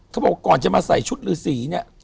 เขาบอกว่าก่อนจะมาใส่ชุดรือศรีเนี่ย